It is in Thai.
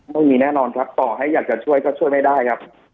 ไม่มีแน่นอนครับต่อให้อยากจะช่วยก็ช่วยไม่ได้ครับ